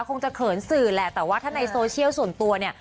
คงจะเขินสื่อแหละแต่ว่าถ้าในโซเชียลส่วนตัวเนี่ย